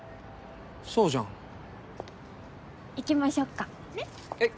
そうじゃん行きましょっかねっ？